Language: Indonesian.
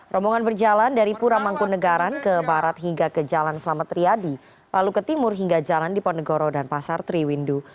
rombongan berjalan dari pura mangkunegaran ke barat hingga ke jalan selamat riyadi lalu ke timur hingga jalan diponegoro dan pasar triwindu